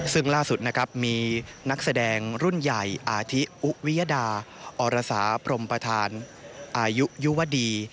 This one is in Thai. ซึ่งล่าสุดนะครับมีนักแสดงรุ่นใหญ่อาทิอุวิยดาอรสาพรมประธานอายุยุวดี